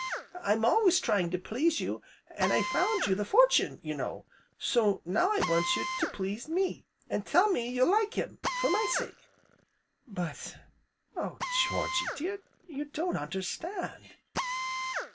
I'm always trying to please you, an' I found you the fortune, you know, so now I want you to please me, an' tell me you like him for my sake." "But Oh Georgy dear! you don't understand."